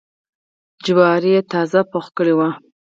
جواري یې تازه پوخ کړی و.